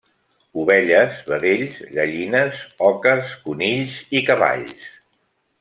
Ovelles, vedells, gallines, oques, conills i cavalls.